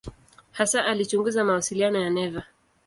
Hasa alichunguza mawasiliano ya neva.